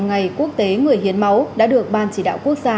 ngày quốc tế người hiến máu đã được ban chỉ đạo quốc gia